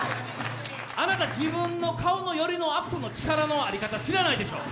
あなた、自分の顔の寄りのアップの力、知らないでしょ。